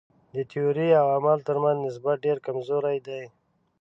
د تیورۍ او عمل تر منځ نسبت ډېر کمزوری دی.